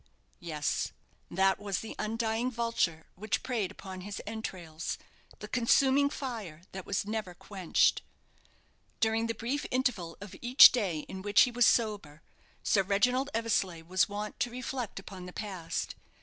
Yes; that was the undying vulture which preyed upon his entrails the consuming fire that was never quenched. During the brief interval of each day in which he was sober, Sir Reginald Eversleigh was wont to reflect upon the past.